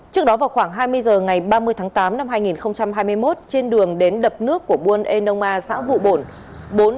trước đó vào khoảng hai mươi h ngày ba mươi tháng tám năm hai nghìn hai mươi một trên đường đến đập nước của buôn eona xã vụ bổn